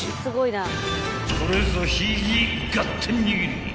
［これぞ］